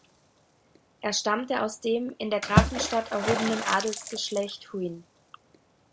Er stammt aus dem in der Grafenstand erhobenen Adelsgeschlecht Huyn.